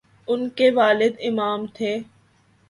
ان کے والد امام تھے۔